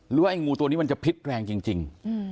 หรือว่าไอ้งูตัวนี้มันจะพลิกแรงจริง